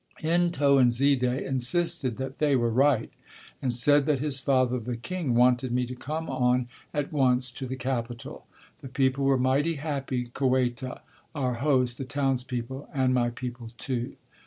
N'Toinzide insisted that they were right, and said that his father, the king, wanted me to come on at once to the capital. The people were mighty happy, Kueta, our host, the townspeople, and my people, too.